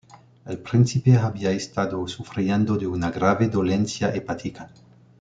El Príncipe había estado sufriendo de una grave dolencia hepática.